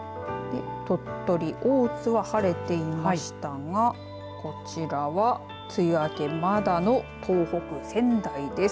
鳥取、大津は晴れていましたがこちらは梅雨明けまだの東北、仙台です。